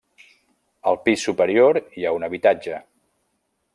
Al pis superior hi ha un habitatge.